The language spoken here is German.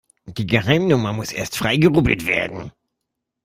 Die Geheimnummer muss erst freigerubbelt werden.